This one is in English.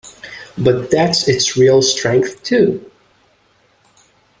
But that's its real strength, too.